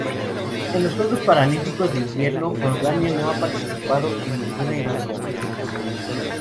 En los Juegos Paralímpicos de Invierno Jordania no ha participado en ninguna edición.